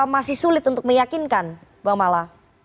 masih sulit untuk meyakinkan bang mala